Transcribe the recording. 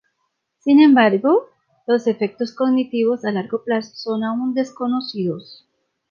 Sin embargo, los efectos cognitivos a largo plazo son aun desconocidos.